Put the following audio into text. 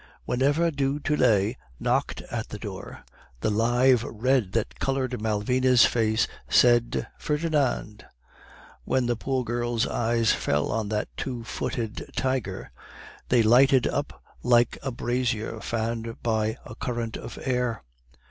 Whenever du Tillet knocked at the door, the live red that colored Malvina's face said 'Ferdinand!' When the poor girl's eyes fell on that two footed tiger, they lighted up like a brazier fanned by a current of air.